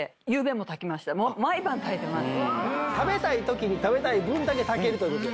食べたい時に食べたい分だけ炊けるという事で。